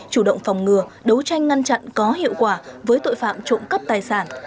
chủ động phòng ngừa đấu tranh ngăn chặn có hiệu quả với tội phạm trộm cắp tài sản